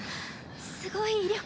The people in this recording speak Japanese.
すごい威力。